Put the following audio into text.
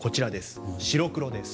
白黒です。